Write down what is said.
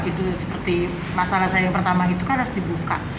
itu seperti masalah saya yang pertama itu kan harus dibuka